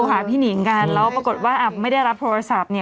ก็เล่นอ่ะงั้นมันไม่ได้รับโทรศัพท์นี้